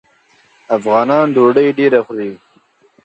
افغانان ډوډۍ ډیره خوري.